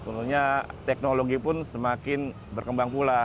tentunya teknologi pun semakin berkembang pula